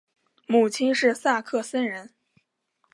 母亲是萨克森人。